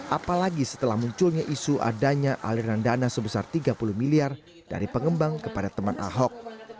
apalagi setelah munculnya isu adanya aliran dana sebesar tiga puluh miliar dari pengembang kepada teman ahok